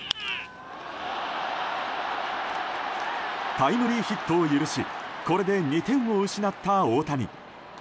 タイムリーヒットを許しこれで２点を失った大谷。